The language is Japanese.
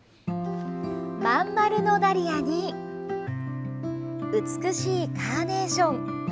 まん丸のダリアに美しいカーネーション。